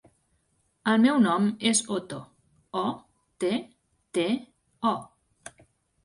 El meu nom és Otto: o, te, te, o.